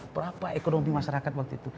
berapa ekonomi masyarakat waktu itu